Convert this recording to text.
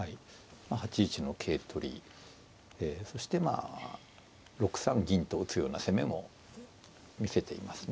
まあ８一の桂取りでそしてまあ６三銀と打つような攻めも見せていますね。